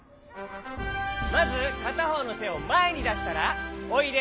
まずかたほうのてをまえにだしたらおいでおいで。